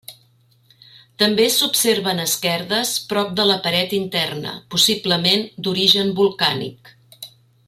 També s'observen esquerdes prop de la paret interna, possiblement d'origen volcànic.